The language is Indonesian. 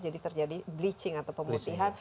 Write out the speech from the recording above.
jadi terjadi bleaching atau pemutihan